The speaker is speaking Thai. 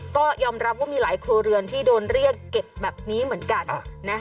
ก็ยอมรับว่ามีหลายครัวเรือนที่โดนเรียกเก็บแบบนี้เหมือนกัน